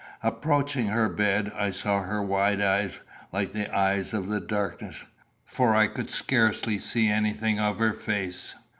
Approaching her bed, I saw her wide eyes, like the eyes of the darkness, for I could scarcely see anything of her face.